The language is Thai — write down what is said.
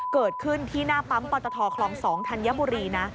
เกิดขึ้นที่หน้าปั๊มปตทคลอง๒ธัญบุรีนะ